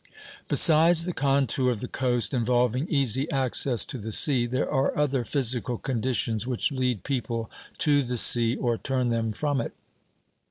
Besides the contour of the coast, involving easy access to the sea, there are other physical conditions which lead people to the sea or turn them from it.